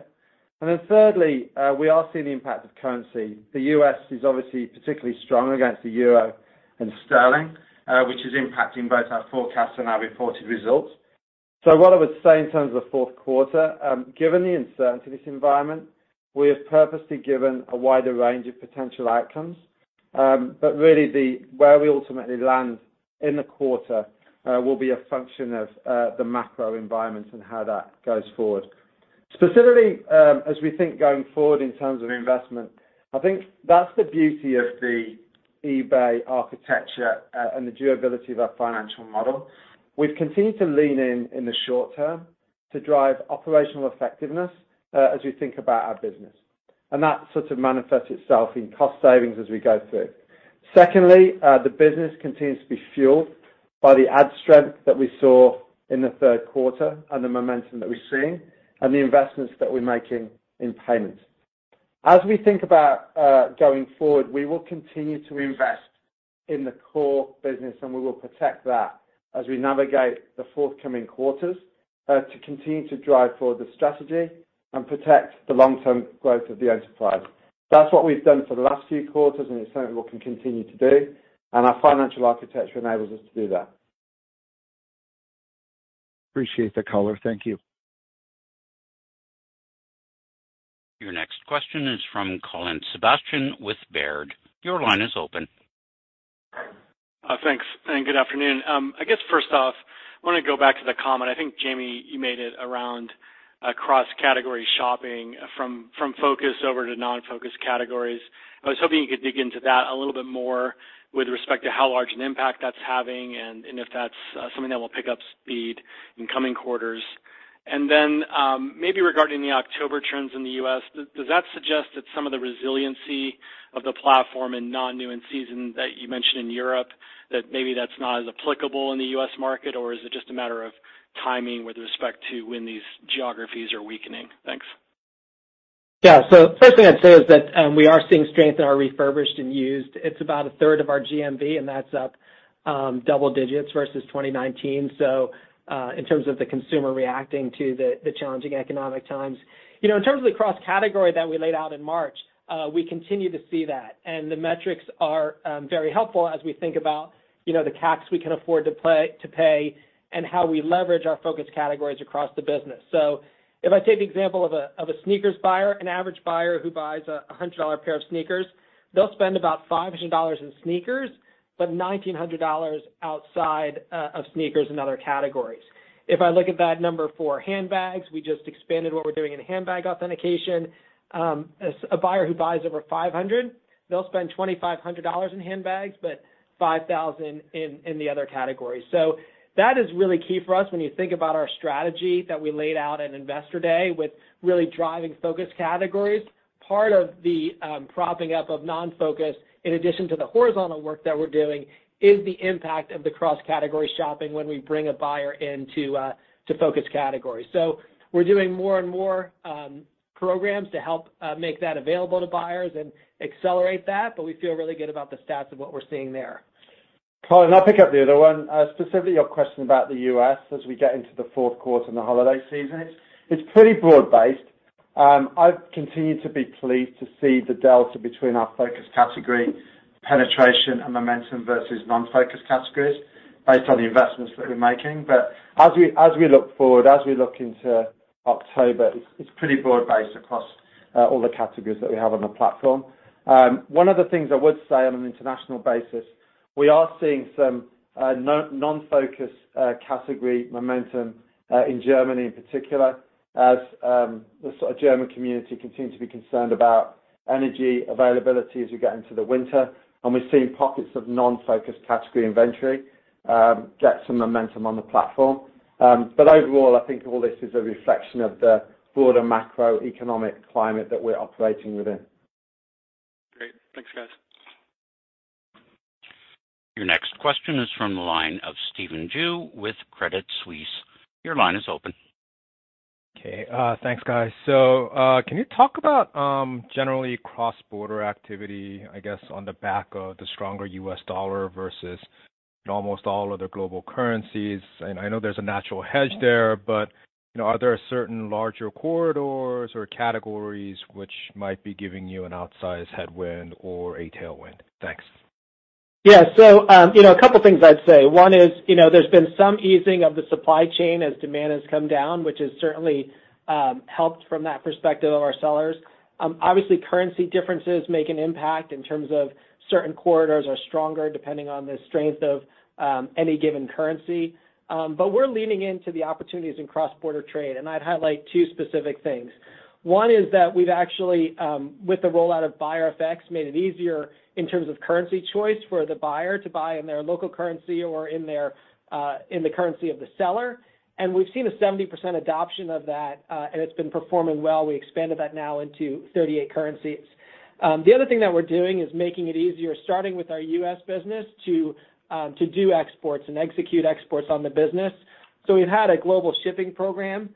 Thirdly, we are seeing the impact of currency. The U.S. is obviously particularly strong against the euro and sterling, which is impacting both our forecast and our reported results. What I would say in terms of fourth quarter, given the uncertainty of this environment, we have purposely given a wider range of potential outcomes. Really where we ultimately land in the quarter will be a function of the macro environment and how that goes forward. Specifically, as we think going forward in terms of investment, I think that's the beauty of the eBay architecture and the durability of our financial model. We've continued to lean in the short term to drive operational effectiveness as we think about our business. That sort of manifests itself in cost savings as we go through. Secondly, the business continues to be fueled by the ad strength that we saw in the third quarter and the momentum that we're seeing and the investments that we're making in payments. As we think about going forward, we will continue to invest in the core business, and we will protect that as we navigate the forthcoming quarters to continue to drive forward the strategy and protect the long-term growth of the enterprise. That's what we've done for the last few quarters, and it's something we can continue to do, and our financial architecture enables us to do that. Appreciate the color. Thank you. Your next question is from Colin Sebastian with Baird. Your line is open. Thanks, and good afternoon. I guess first off, I wanna go back to the comment. I think, Jamie, you made it around across category shopping from focus over to non-focus categories. I was hoping you could dig into that a little bit more with respect to how large an impact that's having and if that's something that will pick up speed in coming quarters. Maybe regarding the October trends in the US, does that suggest that some of the resiliency of the platform in non-new and seasoned that you mentioned in Europe, that maybe that's not as applicable in the US market, or is it just a matter of timing with respect to when these geographies are weakening? Thanks. Yeah. First thing I'd say is that we are seeing strength in our refurbished and used. It's about a third of our GMV, and that's up double digits versus 2019. In terms of the consumer reacting to the challenging economic times, you know, in terms of the cross-category that we laid out in March, we continue to see that. The metrics are very helpful as we think about, you know, the caps we can afford to pay and how we leverage our focus categories across the business. If I take the example of a sneakers buyer, an average buyer who buys a $100 pair of sneakers, they'll spend about $500 in sneakers, but $1,900 outside of sneakers and other categories. If I look at that number for handbags, we just expanded what we're doing in handbag authentication. As a buyer who buys over 500, they'll spend $2,500 in handbags, but $5,000 in the other categories. That is really key for us when you think about our strategy that we laid out at Investor Day with really driving focus categories. Part of the propping up of non-focus, in addition to the horizontal work that we're doing, is the impact of the cross-category shopping when we bring a buyer into to focus categories. We're doing more and more programs to help make that available to buyers and accelerate that, but we feel really good about the stats of what we're seeing there. Colin, I'll pick up the other one, specifically your question about the U.S. as we get into the fourth quarter and the holiday season. It's pretty broad-based. I've continued to be pleased to see the delta between our focus category penetration and momentum versus non-focus categories based on the investments that we're making. As we look forward, as we look into October, it's pretty broad-based across all the categories that we have on the platform. One of the things I would say on an international basis, we are seeing some non non-focus category momentum in Germany in particular, as the German community continue to be concerned about energy availability as we get into the winter. We're seeing pockets of non-focus category inventory get some momentum on the platform. Overall, I think all this is a reflection of the broader macroeconomic climate that we're operating within. Great. Thanks, guys. Your next question is from the line of Stephen Ju with Credit Suisse. Your line is open. Okay. Thanks, guys. Can you talk about generally cross-border activity, I guess, on the back of the stronger US dollar versus almost all other global currencies? I know there's a natural hedge there, but, you know, are there certain larger corridors or categories which might be giving you an outsized headwind or a tailwind? Thanks. Yeah. You know, a couple things I'd say. One is, you know, there's been some easing of the supply chain as demand has come down, which has certainly helped from that perspective of our sellers. Obviously, currency differences make an impact in terms of certain corridors are stronger depending on the strength of any given currency. We're leaning into the opportunities in cross-border trade, and I'd highlight two specific things. One is that we've actually with the rollout of Buyer FX made it easier in terms of currency choice for the buyer to buy in their local currency or in the currency of the seller. We've seen a 70% adoption of that, and it's been performing well. We expanded that now into 38 currencies. The other thing that we're doing is making it easier, starting with our US business, to do exports and execute exports on the business. So we've had a Global Shipping Program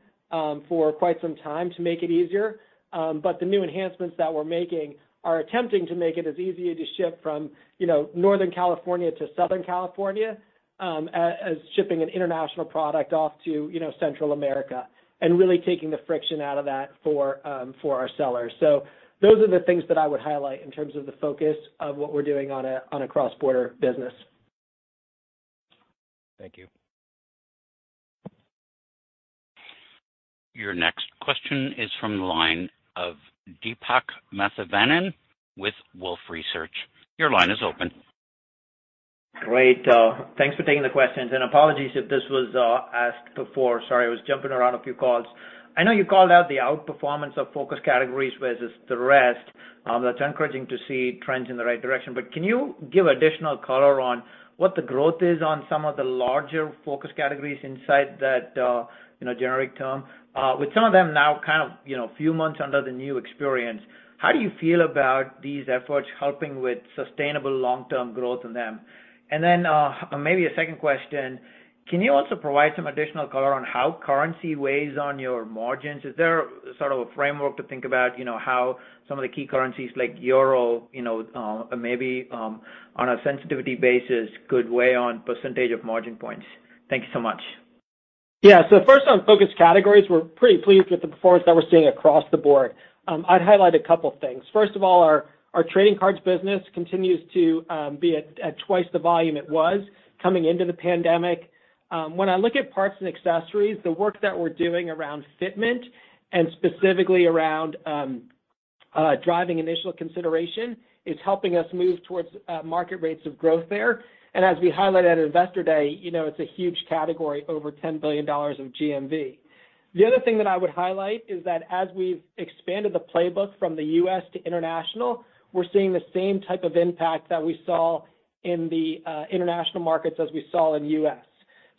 for quite some time to make it easier. But the new enhancements that we're making are attempting to make it as easy to ship from, you know, Northern California to Southern California, as shipping an international product off to, you know, Central America and really taking the friction out of that for our sellers. So those are the things that I would highlight in terms of the focus of what we're doing on a cross-border business. Thank you. Your next question is from the line of Deepak Mathivanan with Wolfe Research. Your line is open. Great. Thanks for taking the questions and apologies if this was asked before. Sorry, I was jumping around a few calls. I know you called out the outperformance of focus categories versus the rest. That's encouraging to see trends in the right direction. Can you give additional color on what the growth is on some of the larger focus categories inside that, you know, generic term? With some of them now kind of, you know, a few months under the new experience, how do you feel about these efforts helping with sustainable long-term growth in them? Maybe a second question, can you also provide some additional color on how currency weighs on your margins? Is there sort of a framework to think about, you know, how some of the key currencies like euro, you know, maybe, on a sensitivity basis, could weigh on percentage of margin points? Thank you so much. First on focus categories, we're pretty pleased with the performance that we're seeing across the board. I'd highlight a couple of things. First of all, our trading cards business continues to be at twice the volume it was coming into the pandemic. When I look at parts and accessories, the work that we're doing around fitment and specifically around driving initial consideration is helping us move towards market rates of growth there. As we highlighted at Investor Day, you know, it's a huge category, over $10 billion of GMV. The other thing that I would highlight is that as we've expanded the playbook from the US to international, we're seeing the same type of impact as we saw in the US.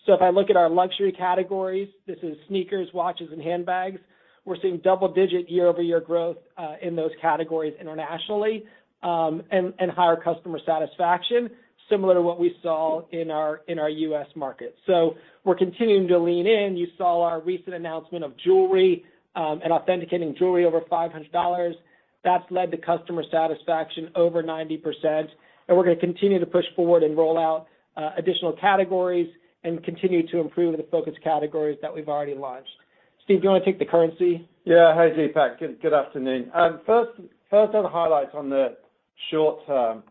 If I look at our luxury categories, this is sneakers, watches, and handbags, we're seeing double-digit year-over-year growth in those categories internationally, and higher customer satisfaction similar to what we saw in our US market. We're continuing to lean in. You saw our recent announcement of jewelry and authenticating jewelry over $500. That's led to customer satisfaction over 90%. We're gonna continue to push forward and roll out additional categories and continue to improve the focus categories that we've already launched. Steve, do you wanna take the currency? Yeah. Hi, Deepak. Good afternoon. First on the highlights on the short term.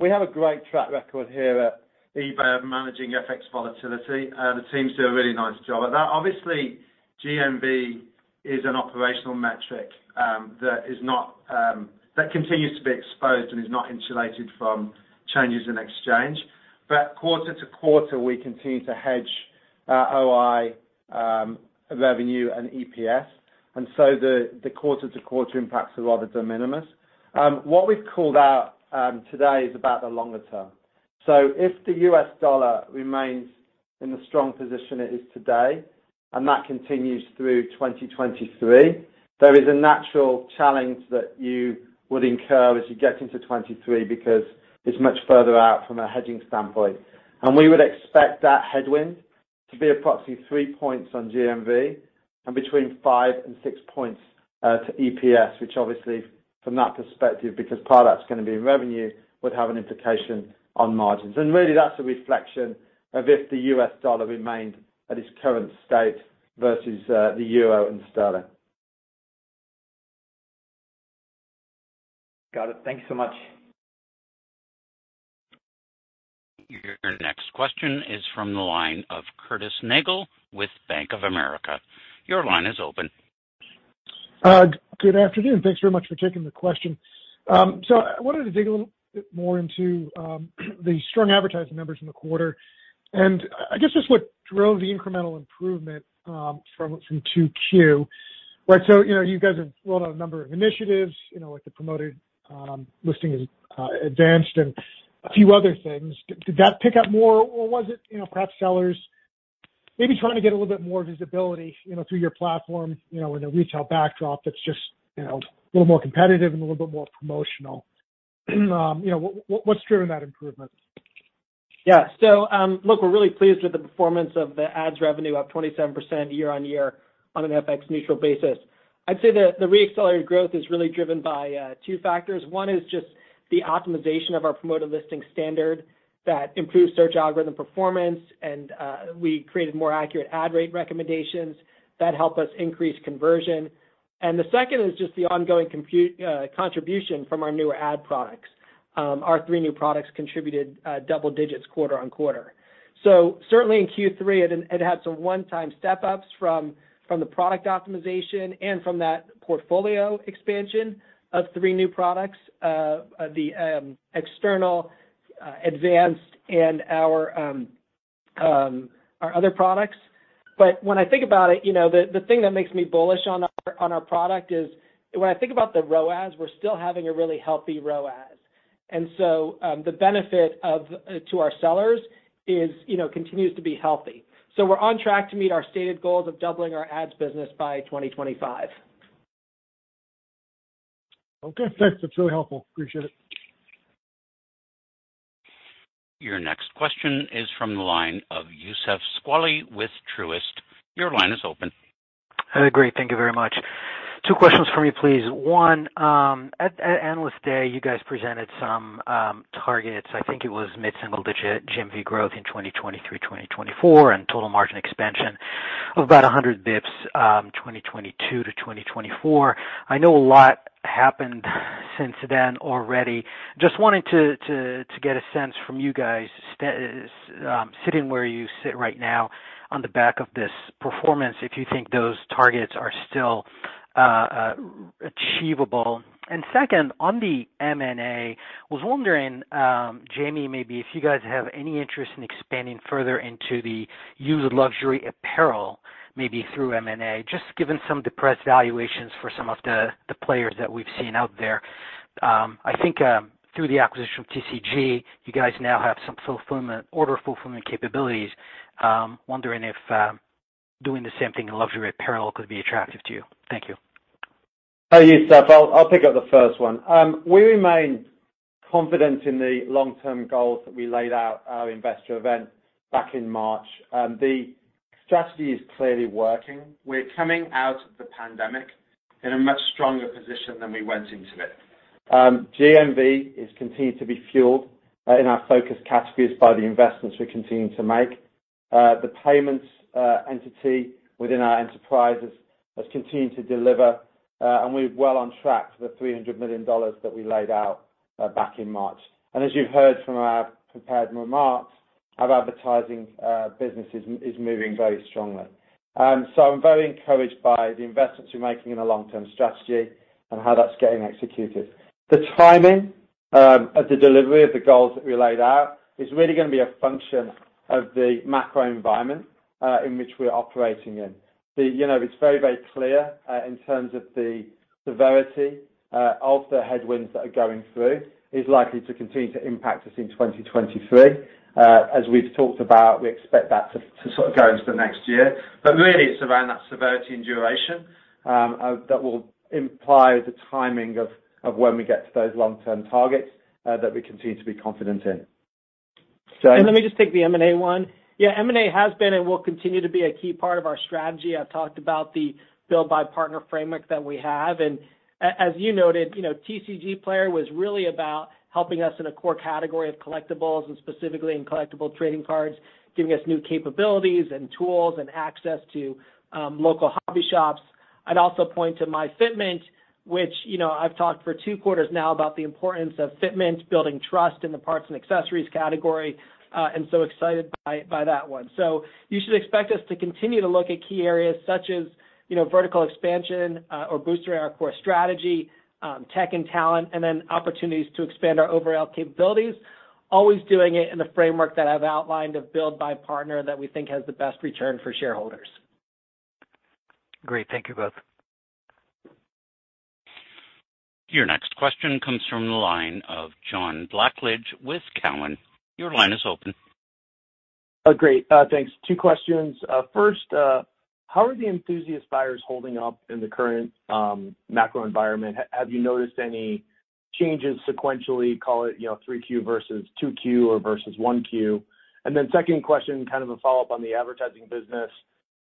We have a great track record here at eBay of managing FX volatility. The teams do a really nice job at that. Obviously, GMV is an operational metric that continues to be exposed and is not insulated from changes in exchange. Quarter to quarter, we continue to hedge OI, revenue and EPS. The quarter-to-quarter impacts are rather de minimis. What we've called out today is about the longer term. If the US dollar remains in the strong position it is today, and that continues through 2023, there is a natural challenge that you would incur as you get into 2023 because it's much further out from a hedging standpoint. We would expect that headwind to be approximately 3 points on GMV and between 5 and 6 points to EPS, which obviously from that perspective, because part of that's gonna be revenue, would have an implication on margins. Really that's a reflection of if the US dollar remained at its current state versus the euro and sterling. Got it. Thank you so much. Your next question is from the line of Curtis Nagle with Bank of America. Your line is open. Good afternoon. Thanks very much for taking the question. So I wanted to dig a little bit more into the strong advertising numbers in the quarter, and I guess just what drove the incremental improvement from 2Q, right? You know, you guys have rolled out a number of initiatives, you know, like the Promoted Listings Advanced and a few other things. Did that pick up more or was it, you know, perhaps sellers maybe trying to get a little bit more visibility, you know, through your platform, you know, in a retail backdrop that's just, you know, a little more competitive and a little bit more promotional? You know, what's driven that improvement? Yeah. Look, we're really pleased with the performance of the ads revenue up 27% year-over-year on an FX-neutral basis. I'd say the reaccelerated growth is really driven by two factors. One is just the optimization of our Promoted Listings Standard that improves search algorithm performance, and we created more accurate ad rate recommendations that help us increase conversion. The second is just the ongoing contribution from our newer ad products. Our three new products contributed double digits quarter-over-quarter. Certainly in Q3, it had some one-time step-ups from the product optimization and from that portfolio expansion of three new products, the external, advanced and our other products. When I think about it, you know, the thing that makes me bullish on our product is when I think about the ROAS, we're still having a really healthy ROAS. The benefit to our sellers, you know, continues to be healthy. We're on track to meet our stated goals of doubling our ads business by 2025. Okay, thanks. That's really helpful. Appreciate it. Your next question is from the line of Youssef Squali with Truist. Your line is open. Great. Thank you very much. Two questions for me, please. One, at Investor Day, you guys presented some targets. I think it was mid-single digit GMV growth in 2023, 2024, and total margin expansion of about 100 basis points, 2022 to 2024. I know a lot happened since then already. Just wanted to get a sense from you guys, sitting where you sit right now on the back of this performance, if you think those targets are still achievable. Second, on the M&A, was wondering, Jamie, maybe if you guys have any interest in expanding further into the used luxury apparel, maybe through M&A, just given some depressed valuations for some of the players that we've seen out there. I think, through the acquisition of TCG, you guys now have some fulfillment, order fulfillment capabilities. Wondering if, doing the same thing in luxury apparel could be attractive to you. Thank you. Hi, Youssef. I'll pick up the first one. We remain confident in the long-term goals that we laid out at our Investor Day back in March. The strategy is clearly working. We're coming out of the pandemic in a much stronger position than we went into it. GMV continues to be fueled in our focus categories by the investments we're continuing to make. The payments entity within our enterprise has continued to deliver, and we're well on track for the $300 million that we laid out back in March. As you've heard from our prepared remarks, our advertising business is moving very strongly. I'm very encouraged by the investments we're making in a long-term strategy and how that's getting executed. The timing of the delivery of the goals that we laid out is really gonna be a function of the macro environment in which we're operating in. You know, it's very, very clear in terms of the severity of the headwinds that are going through is likely to continue to impact us in 2023. As we've talked about, we expect that to sort of go into the next year. Really, it's around that severity and duration that will imply the timing of when we get to those long-term targets that we continue to be confident in. Let me just take the M&A one. Yeah, M&A has been and will continue to be a key part of our strategy. I've talked about the build by partner framework that we have. As you noted, you know, TCGplayer was really about helping us in a core category of collectibles, and specifically in collectible trading cards, giving us new capabilities and tools and access to local hobby shops. I'd also point to myFitment, which, you know, I've talked for two quarters now about the importance of fitment, building trust in the parts and accessories category, and so excited by that one. You should expect us to continue to look at key areas such as, you know, vertical expansion, or boosting our core strategy, tech and talent, and then opportunities to expand our overall capabilities, always doing it in the framework that I've outlined of build, buy, or partner that we think has the best return for shareholders. Great. Thank you both. Your next question comes from the line of John Blackledge with Cowen. Your line is open. Great. Thanks. Two questions. First, how are the enthusiast buyers holding up in the current macro environment? Have you noticed any changes sequentially, call it, you know, 3Q versus 2Q or versus 1Q? Second question, kind of a follow-up on the advertising business.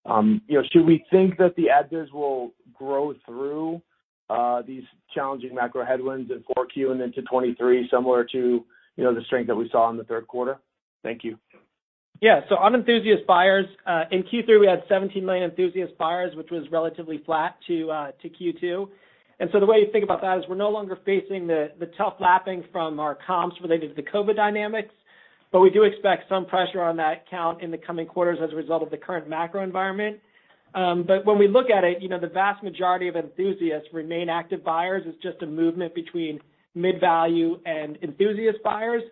You know, should we think that the ad biz will grow through these challenging macro headwinds in 4Q and into 2023, similar to, you know, the strength that we saw in the third quarter? Thank you. Yeah. So on enthusiast buyers, in Q3, we had 17 million enthusiast buyers, which was relatively flat to Q2. The way you think about that is we're no longer facing the tough lapping from our comps related to the COVID dynamics, but we do expect some pressure on that count in the coming quarters as a result of the current macro environment. But when we look at it, you know, the vast majority of enthusiasts remain active buyers. It's just a movement between mid-value and enthusiast buyers.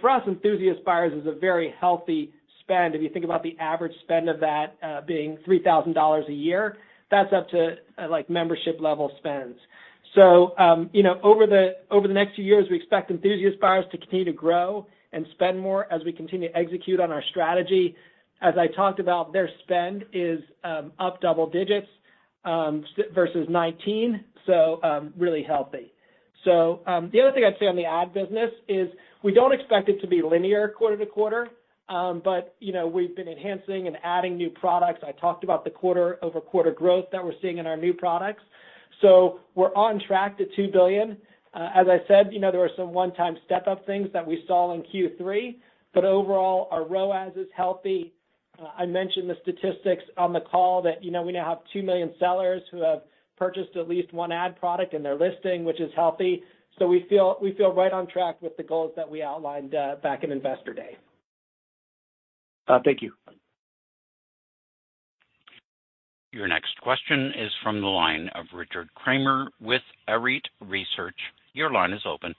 For us, enthusiast buyers is a very healthy spend. If you think about the average spend of that being $3,000 a year, that's up to like membership level spends. You know, over the next few years, we expect enthusiast buyers to continue to grow and spend more as we continue to execute on our strategy. As I talked about, their spend is up double digits versus 2019, really healthy. The other thing I'd say on the ad business is we don't expect it to be linear quarter-to-quarter. You know, we've been enhancing and adding new products. I talked about the quarter-over-quarter growth that we're seeing in our new products. We're on track to $2 billion. As I said, you know, there were some one-time step-up things that we saw in Q3, but overall, our ROAS is healthy. I mentioned the statistics on the call that, you know, we now have 2 million sellers who have purchased at least one ad product in their listing, which is healthy. We feel right on track with the goals that we outlined back in Investor Day. Thank you. Your next question is from the line of Richard Kramer with Arete Research. Your line is open.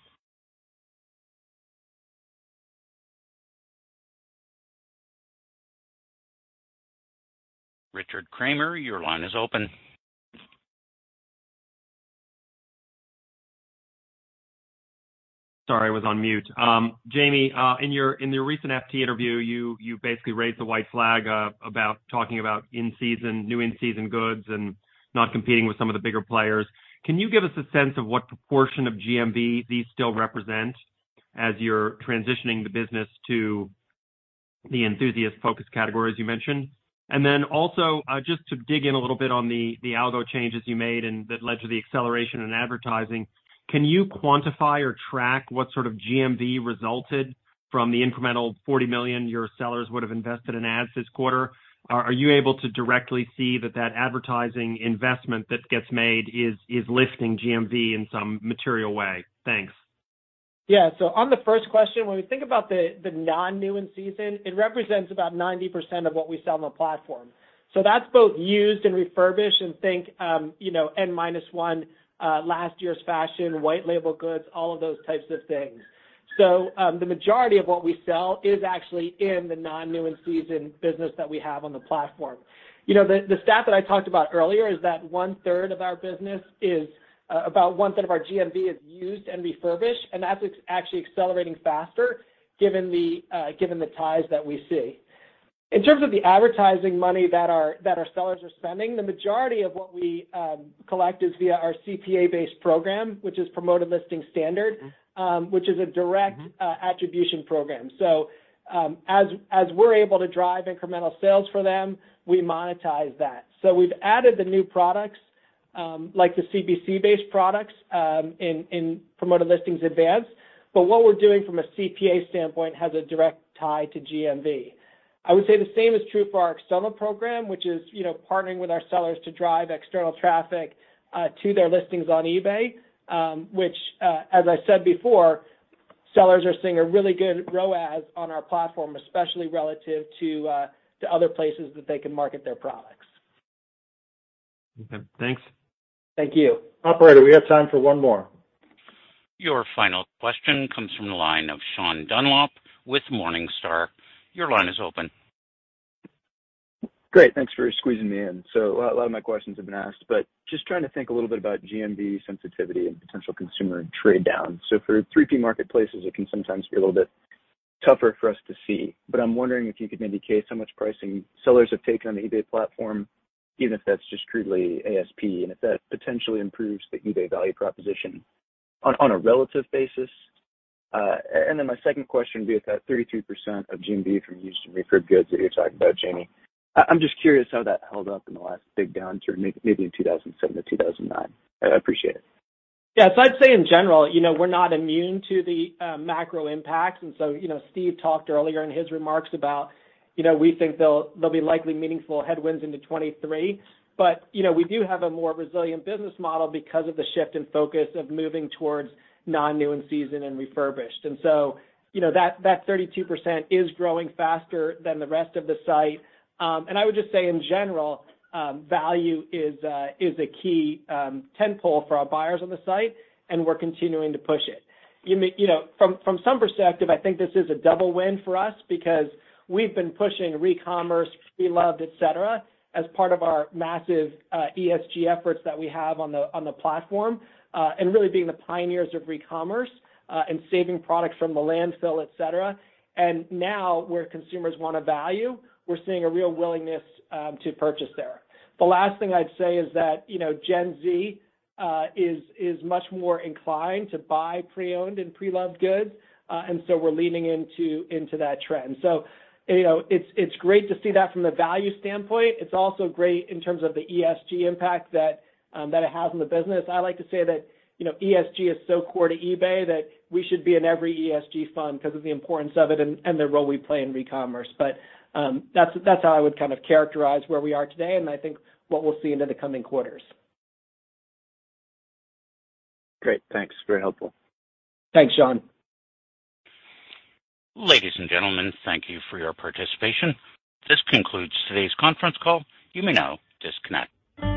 Richard Kramer, your line is open. Sorry, I was on mute. Jamie, in your recent FT interview, you basically raised the white flag about talking about in-season, new in-season goods and not competing with some of the bigger players. Can you give us a sense of what proportion of GMV these still represent as you're transitioning the business to the enthusiast focus category, as you mentioned? Then also, just to dig in a little bit on the algo changes you made and that led to the acceleration in advertising, can you quantify or track what sort of GMV resulted from the incremental $40 million your sellers would have invested in ads this quarter? Are you able to directly see that advertising investment that gets made is lifting GMV in some material way? Thanks. Yeah. On the first question, when we think about the non-new in-season, it represents about 90% of what we sell on the platform. That's both used and refurbished and, you know, N minus one, last year's fashion, white label goods, all of those types of things. The majority of what we sell is actually in the non-new in-season business that we have on the platform. You know, the stat that I talked about earlier is that 1/3 of our business is about 1/3 of our GMV is used and refurbished, and that's actually accelerating faster given the ties that we see. In terms of the advertising money that our sellers are spending, the majority of what we collect is via our CPA-based program, which is Promoted Listings Standard, which is a direct attribution program. As we're able to drive incremental sales for them, we monetize that. We've added the new products like the CPC-based products in Promoted Listings Advanced. What we're doing from a CPA standpoint has a direct tie to GMV. I would say the same is true for our external program, which is, you know, partnering with our sellers to drive external traffic to their listings on eBay, which as I said before, sellers are seeing a really good ROAS on our platform, especially relative to other places that they can market their products. Okay. Thanks. Thank you. Operator, we have time for one more. Your final question comes from the line of Sean Dunlop with Morningstar. Your line is open. Great. Thanks for squeezing me in. A lot of my questions have been asked, but just trying to think a little bit about GMV sensitivity and potential consumer trade-down. For third-party marketplaces, it can sometimes be a little bit tougher for us to see. I'm wondering if you could indicate how much pricing sellers have taken on the eBay platform, even if that's just crudely ASP, and if that potentially improves the eBay value proposition on a relative basis. My second question would be about 32% of GMV from used and refurb goods that you're talking about, Jamie. I'm just curious how that held up in the last big downturn, maybe in 2007-2009. I appreciate it. Yeah. I'd say in general, you know, we're not immune to the macro impacts. Steve talked earlier in his remarks about, you know, we think they'll be likely meaningful headwinds into 2023. We do have a more resilient business model because of the shift in focus of moving towards non-new in-season and refurbished. That 32% is growing faster than the rest of the site. I would just say in general, value is a key tentpole for our buyers on the site, and we're continuing to push it. You know, from some perspective, I think this is a double win for us because we've been pushing recommerce, pre-loved, et cetera, as part of our massive ESG efforts that we have on the platform, and really being the pioneers of recommerce, and saving products from the landfill, et cetera. Now, where consumers wanna value, we're seeing a real willingness to purchase there. The last thing I'd say is that, you know, Gen Z is much more inclined to buy pre-owned and pre-loved goods, and so we're leaning into that trend. You know, it's great to see that from the value standpoint. It's also great in terms of the ESG impact that it has on the business. I like to say that, you know, ESG is so core to eBay that we should be in every ESG fund 'cause of the importance of it and the role we play in recommerce. That's how I would kind of characterize where we are today, and I think what we'll see into the coming quarters. Great. Thanks. Very helpful. Thanks, Sean. Ladies and gentlemen, thank you for your participation. This concludes today's conference call. You may now disconnect.